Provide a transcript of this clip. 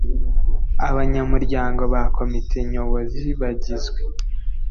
Abanyamuryango Ba Komite Nyobozi Bagizwe